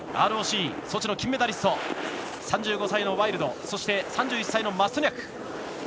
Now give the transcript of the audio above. ＲＯＣ、ソチの金メダリスト３５歳のワイルド３１歳のマストニャク。